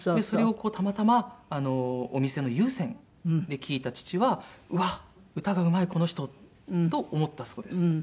それをこうたまたまお店の有線で聴いた父は「うわっ！歌がうまいこの人」と思ったそうです。